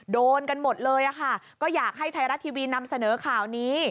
โดนกันหมดเลยค่ะก็อยากให้ไทยรัฐทีวีนำเสนอข่าวนี้